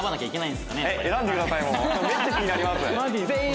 はい。